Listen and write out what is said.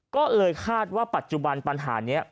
ก็เลยคาดว่าปัจจุบันปัญหานี้